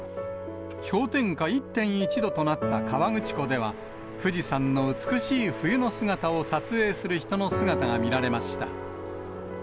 氷点下１．１度となった河口湖では、富士山の美しい冬の姿を撮影する人の姿が見られました。